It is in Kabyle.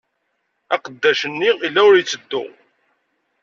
Aqeddac-nni yella ur itteddu.